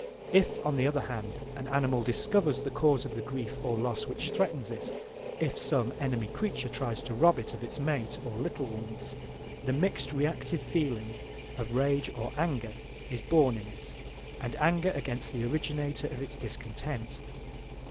If, on the other hand, an animal discovers the cause of the grief or loss which threatens it; if some enemy creature tries to rob it of its mate or little ones, the mixed reactive feeling of rage or anger is born in it, anger against the originator of its discontent.